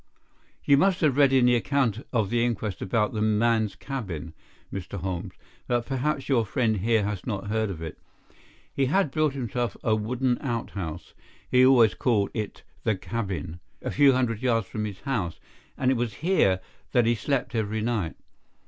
"You must have read in the account of the inquest about the man's cabin, Mr. Holmes, but perhaps your friend here has not heard of it. He had built himself a wooden outhouse—he always called it the 'cabin'—a few hundred yards from his house, and it was here that he slept every night.